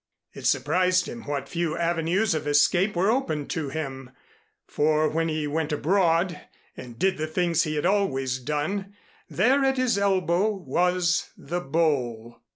It surprised him what few avenues of escape were open to him, for when he went abroad and did the things he had always done, there at his elbow was the Bowl.